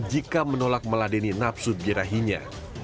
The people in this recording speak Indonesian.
jika menolak meladeni nafsu girahinya